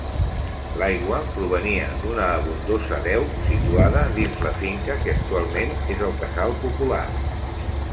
L'aigua provenia d'una abundosa deu situada dins la finca que actualment és el casal popular.